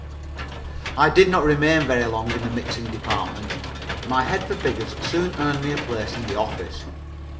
I did not remain very long in the mixing department. My head for figures soon earned me a place in the office.